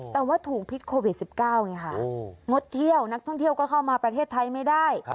แต่ว่าถูกพิษโควิด๑๙ไงค่ะงดเที่ยวนักท่องเที่ยวก็เข้ามาประเทศไทยไม่ได้